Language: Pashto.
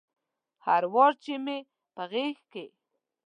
هر وار چې مې په غیږ کې